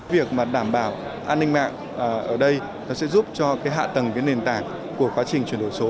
việc đảm bảo an ninh mạng ở đây sẽ giúp cho hạ tầng nền tảng của quá trình chuyển đổi số